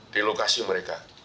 di lokasi mereka